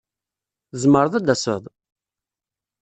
Tzemreḍ ad taseḍ?